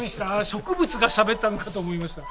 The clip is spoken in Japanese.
植物がしゃべったのかと思いました。